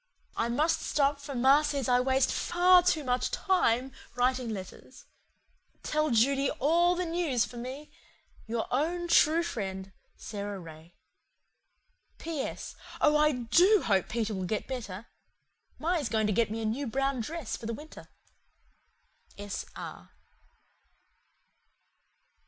I must stop for ma says I waste FAR TOO MUCH TIME writing letters. Tell Judy ALL THE NEWS for me. "Your OWN TRUE FRIEND, "SARA RAY. "P.S. Oh I DO hope Peter will get better. Ma is going to get me a new brown dress for the winter. "S. R."